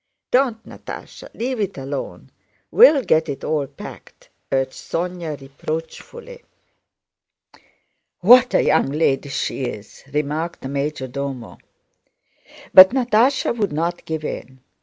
"Don't, Natásha! Leave it alone! We'll get it all packed," urged Sónya reproachfully. "What a young lady she is!" remarked the major domo. But Natásha would not give in.